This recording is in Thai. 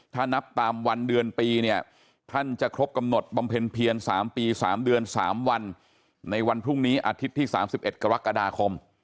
ถ้านับตามวันเดือนปีเนี่ยท่านจะครบกำหนดบำเพ็ญเพียร๓ปี๓เดือน๓วันในวันพรุ่งนี้อาทิตย์ที่๓๑กรกฎาคม